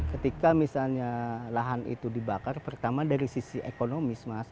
ketika misalnya lahan itu dibakar pertama dari sisi ekonomis mas